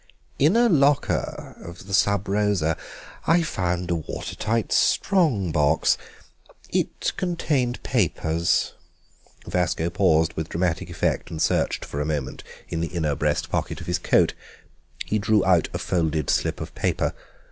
"In a locker of the Sub Rosa I found a water tight strong box. It contained papers." Vasco paused with dramatic effect and searched for a moment in the inner breast pocket of his coat. He drew out a folded slip of paper.